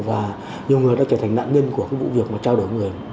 và nhiều người đã trở thành nạn nhân của cái vụ việc mà trao đổi người